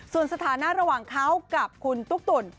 ส่วนสถานะระหว่างเขากับคุณตุ๊กตุ๋น